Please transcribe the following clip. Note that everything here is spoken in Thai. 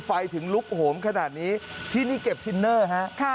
ไฟถึงลุกโหมขนาดนี้ที่นี่เก็บทินเนอร์ฮะ